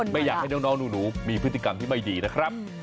ไม่อยากให้น้องหนูมีพฤติกรรมที่ไม่ดีนะครับ